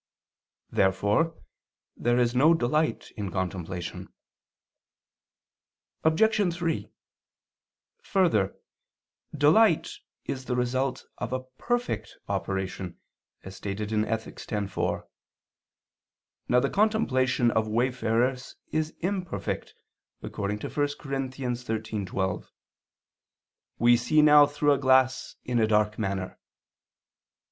Therefore there is no delight in contemplation. Obj. 3: Further, delight is the result of a perfect operation, as stated in Ethic. x, 4. Now the contemplation of wayfarers is imperfect, according to 1 Cor. 13:12, "We see now through a glass in a dark manner."